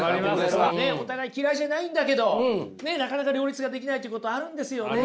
お互い嫌いじゃないんだけどなかなか両立ができないっていうことあるんですよね。